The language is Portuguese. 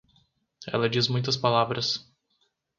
Ela diz muitas palavras.